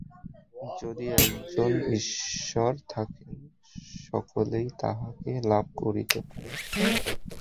যদি একজন ঈশ্বর থাকেন, সকলেই তাঁহাকে লাভ করিতে পারে।